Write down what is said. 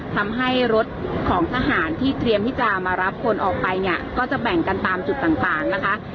ทำให้รถของทหารที่เตรียมที่จะมารับคนออกไปเนี่ยก็จะแบ่งกันตามจุดต่างนะคะ